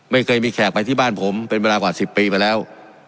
ไม่เคยมีแขกไปที่บ้านผมเป็นเวลากว่า๑๐ปีมาแล้ว